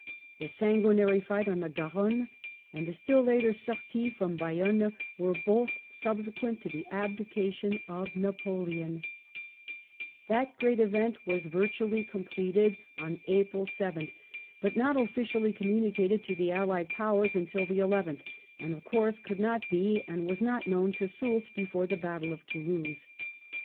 The sanguinary fight on the Garonne, and the still later sortie from Bayonne, were both subsequent to the abdication of Napoleon. That great event was virtually completed on %ffo WELLINGTOS Aprfl 7tii, but not offidallj conmniiiicated to the Allied Poireni nntfl the llth, and, of eoane, coold not be and WM not known to Soolt before the batde of Tonloose.